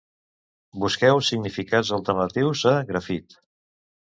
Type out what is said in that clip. Busqueu significats alternatius a «grafit».